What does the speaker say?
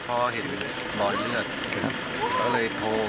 พอเห็นรอยเลือดครับก็เลยโทร